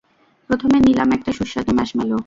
প্রথমে নিলাম একটা সুস্বাদু মাশম্যালো।